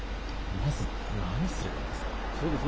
まず、これ、何すればいいですか？